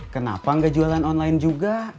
kenapa nggak jualan online juga